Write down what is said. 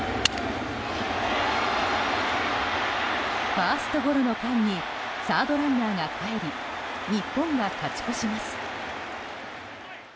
ファーストゴロの間にサードランナーがかえり日本が勝ち越します。